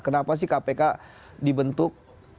kenapa sih kpk dibentuk